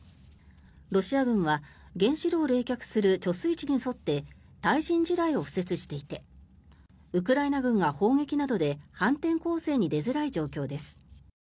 ロシア軍は原子炉を冷却する貯水池に沿って対人地雷を敷設していてウクライナ軍が砲撃などで反転攻勢に出づらい状況です。